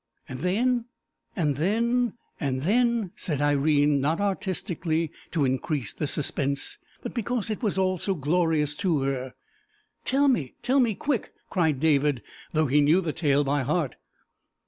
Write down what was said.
"And then and then and then ," said Irene, not artistically to increase the suspense, but because it was all so glorious to her. "Tell me tell me quick," cried David, though he knew the tale by heart.